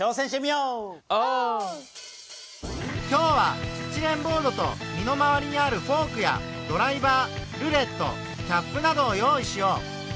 今日はスチレンボードと身のまわりにあるフォークやドライバールレットキャップなどを用意しよう。